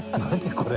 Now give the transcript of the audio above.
これ。